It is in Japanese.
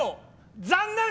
残念！